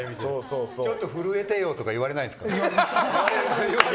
ちょっと震えてよとか言われないんですか。